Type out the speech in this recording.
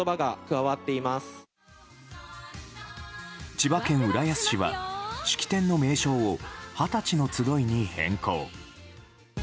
千葉県浦安市は式典の名称を二十歳の集いに変更。